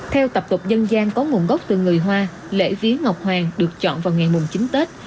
theo tập tục dân gian có nguồn gốc từ người hoa lễ viếng ngọc hoàng được chọn vào ngày chín tết